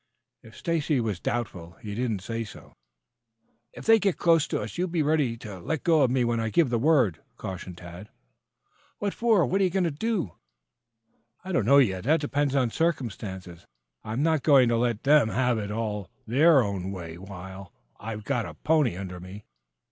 If Stacy was doubtful he did not say so. "If they get close to us, you be ready to let go of me when I give the word," cautioned Tad. "What for? What you going to do?" "I don't know yet. That depends upon circumstances. I'm not going to let them have it all their own way while I've got a pony under me.